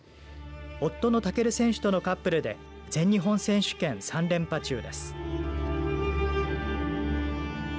夫の尊選手とのカップルで全日本選手権、３連覇中です。